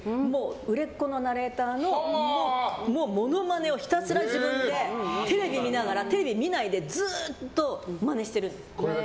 売れっ子のナレーターのものまねをひたすら自分でテレビ見ないでずっとマネしてるんです。